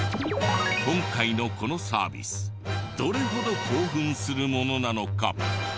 今回のこのサービスどれほど興奮するものなのか？